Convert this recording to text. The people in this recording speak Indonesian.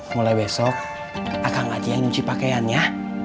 mulai besok akang ajih yang cuci pakaian ya